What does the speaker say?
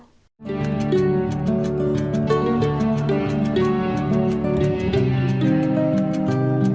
hãy đăng ký kênh để ủng hộ kênh của mình nhé